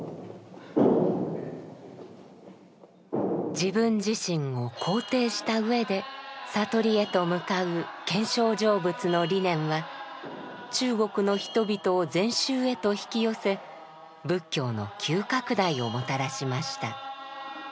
自分自身を肯定したうえで悟りへと向かう見性成仏の理念は中国の人々を禅宗へと引き寄せ仏教の急拡大をもたらしました。